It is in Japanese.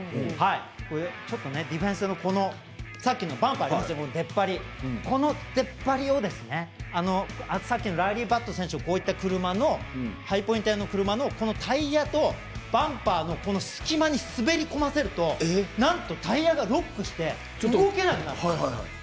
ディフェンスのバンパーこの出っ張りを、さっきのライリー・バット選手のこういったハイポインターの車のこのタイヤとバンパーの隙間に滑り込ませるとなんと、タイヤがロックして動けなくなるんです。